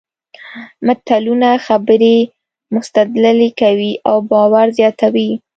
متلونه خبرې مستدللې کوي او باور زیاتوي